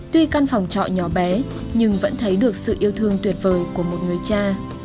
tuy căn phòng trọ nhỏ bé nhưng vẫn thấy được sự yêu thương tuyệt vời của một người cha